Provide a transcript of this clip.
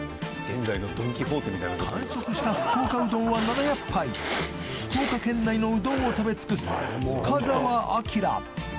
完食した福岡うどんは７００杯福岡県内のうどんを食べ尽くす岡澤アキラ